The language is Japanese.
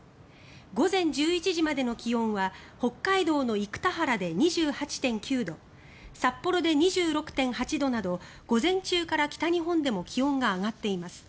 午前１１時までの気温は北海道の生田原で２８．９度札幌で２６．８度など午前中から北日本でも気温が上がっています。